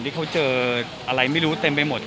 ที่เขาเจออะไรไม่รู้เต็มไปหมด